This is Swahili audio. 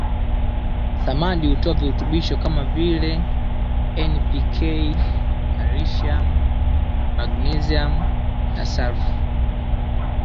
Samadi hutoa virutubisho kama vile N P K Ca Mg S